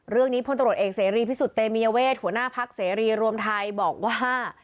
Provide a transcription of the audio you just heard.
เรื่องนี้พลตรวจเอกเสรีพิศุเตมต์มียเวถัวหน้าพักเสระรวมทัยบอกว่า